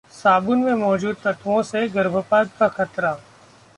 साबुन में मौजूद तत्वों से गर्भपात का खतरा